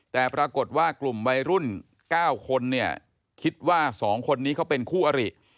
แต่ปรากฏว่ากลุ่มวัยรุ่น๙คนเนี่ยคิดว่า๒คนนี้เขาเป็นคู่อริ